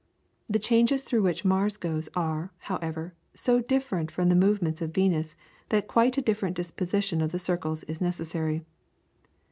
The changes through which Mars goes are, however, so different from the movements of Venus that quite a different disposition of the circles is necessary.